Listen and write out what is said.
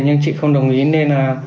nhưng chị không đồng ý nên là